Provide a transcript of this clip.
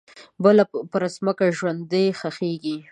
بله پرمځکه ژوندۍ ښخیږې